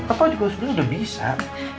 apa juga sudah bisa